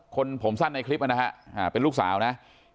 คนผมสั้นในคลิปนะฮะเป็นลูกสาวนะ